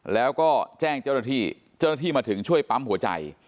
แล้วก็แจ้งเจ้าหน้าที่เจ้าหน้าที่มาถึงช่วยปั๊มหัวใจ